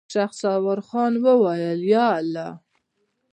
شهسوار خان وويل: ياالله.